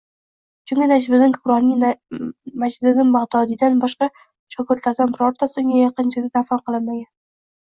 Chunki Najmiddin Kubroning Majdiddin Bagʻdodiydan boshqa shogirdlaridan birortasi unga yaqin joyga dafn qilinmagan